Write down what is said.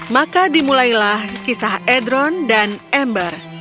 maka dimulailah kisah edron dan ember